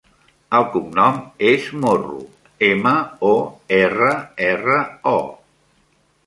El cognom és Morro: ema, o, erra, erra, o.